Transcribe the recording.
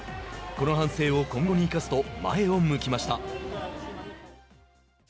この反省を今後に生かすと前を向きました。